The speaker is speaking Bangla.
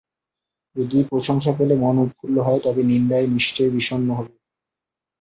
যদি প্রশংসা পেলে মন উৎফুল্ল হয়, তবে নিন্দায় নিশ্চয় বিষণ্ণ হবে।